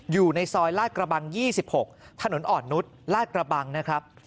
อยู่ในซอยลาดกระบัง๒๖ถนนอ่อนนุษย์ลาดกระบังนะครับ